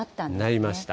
なりました。